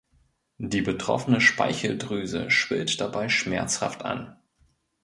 Die betroffene Speicheldrüse schwillt dabei schmerzhaft an.